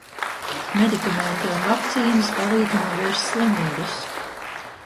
Medikamenti un vakcīnas palīdz novērst slimības.